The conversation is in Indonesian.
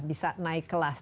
bisa naik kelas